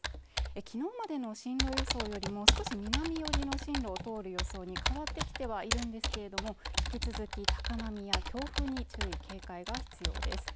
きのうまでの進路予想よりも少し南寄りの進路を通る予想に変わってきてはいるんですけれども引き続き高波や強風に注意・警戒が必要です